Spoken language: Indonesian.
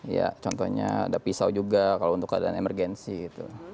ya contohnya ada pisau juga kalau untuk keadaan emergensi gitu